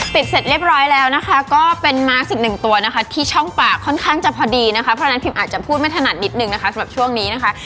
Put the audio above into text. เสร็จเรียบร้อยแล้วนะคะก็เป็นมาร์คอีกหนึ่งตัวนะคะที่ช่องปากค่อนข้างจะพอดีนะคะเพราะฉะนั้นพิมอาจจะพูดไม่ถนัดนิดนึงนะคะสำหรับช่วงนี้นะคะ